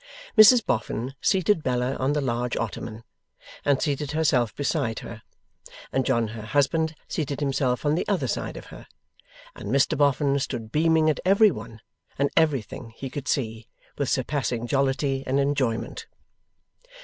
Mrs Boffin seated Bella on the large ottoman, and seated herself beside her, and John her husband seated himself on the other side of her, and Mr Boffin stood beaming at every one and everything he could see, with surpassing jollity and enjoyment.